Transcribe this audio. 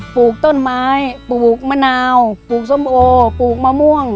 ปลูกต้นไม้ปลูกมะนาวปลูกส้มโอปลูกมะม่วง